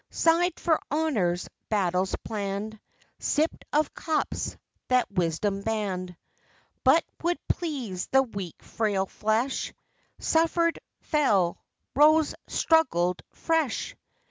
Sighed for honors; battles planned; Sipped of cups that wisdom banned But would please the weak frail flesh; Suffered, fell, 'rose, struggled fresh?